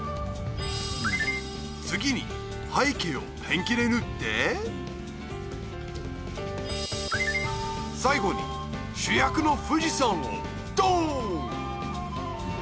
次に背景をペンキで塗って最後に主役の富士山をドーン！